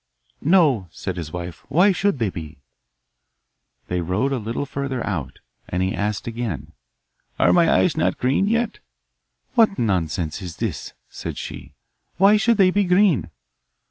'No,' said his wife; 'why should they be?' They rowed a little further out, and he asked again, 'Are my eyes not green yet?' 'What nonsense is this?' said she; 'why should they be green?